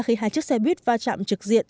khi hai chiếc xe buýt va chạm trực diện